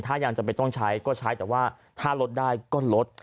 ถ้ายังจำเป็นต้องใช้ก็ใช้แต่ว่าถ้าลดได้ก็ลด